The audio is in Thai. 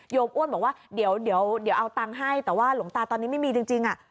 อ้วนบอกว่าเดี๋ยวเอาตังค์ให้แต่ว่าหลวงตาตอนนี้ไม่มีจริงอ่ะ